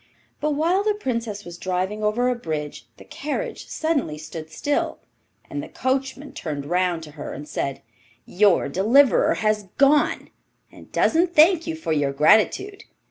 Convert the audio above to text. But while the Princess was driving over a bridge the carriage suddenly stood still, and the coachman turned round to her and said, 'Your deliverer has gone, and doesn't thank you for your gratitude.